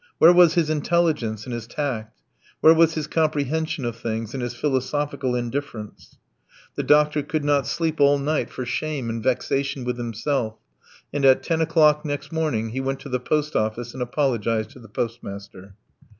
Where was his intelligence and his tact? Where was his comprehension of things and his philosophical indifference? The doctor could not sleep all night for shame and vexation with himself, and at ten o'clock next morning he went to the post office and apologized to the postmaster.